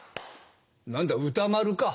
何だ歌丸か。